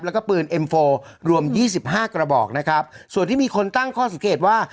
แล้วก็ปืนเอ็มโฟรวมยี่สิบห้ากระบอกนะครับส่วนที่มีคนตั้งข้อสังเกตว่า